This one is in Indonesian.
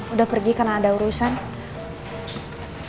udah pergi karena ada urusan